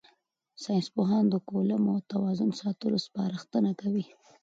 ساینسپوهان د کولمو توازن ساتلو سپارښتنه کوي.